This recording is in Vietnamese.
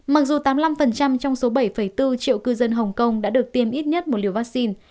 mặc dù tám mươi năm trong số bảy bốn triệu cư dân hồng kông đã được tiêm ít nhất một liều vaccine